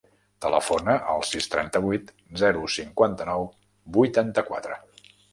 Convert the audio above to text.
Telefona al sis, trenta-vuit, zero, cinquanta-nou, vuitanta-quatre.